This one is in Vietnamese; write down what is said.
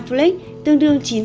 với hàm lượng chất dinh dưỡng như vậy